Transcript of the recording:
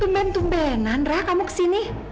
kemben tumbenan rara kamu kesini